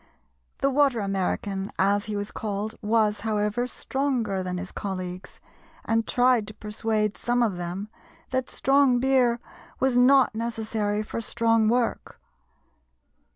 The "Water American," as he was called, was, however, stronger than his colleagues, and tried to persuade some of them that strong beer was not necessary for strong work.